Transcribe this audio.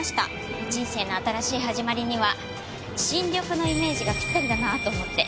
人生の新しい始まりには新緑のイメージがぴったりだなと思って。